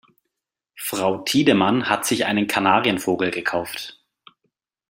Frau Tiedemann hat sich einen Kanarienvogel gekauft.